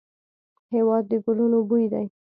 هېواد د ګلونو بوی دی.